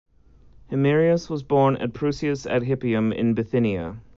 Himerius was born at Prusias ad Hypium in Bithynia.